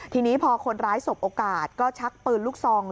ทีนี้พอคนร้ายสบโอกาสก็ชักปืนลูกซอง